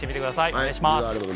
お願いします。